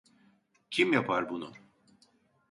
Kim yapar bunu?